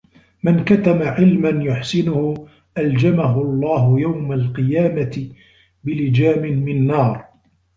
مَنْ كَتَمَ عِلْمًا يُحْسِنُهُ أَلْجَمَهُ اللَّهُ يَوْمَ الْقِيَامَةِ بِلِجَامٍ مِنْ نَارٍ